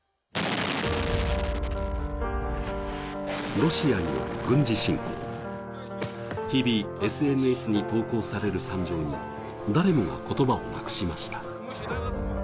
ロシアによる軍事侵攻、日々ＳＮＳに投稿される惨状に誰もが言葉をなくしました。